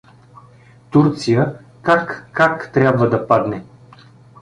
Турция, как-как, трябва да падне.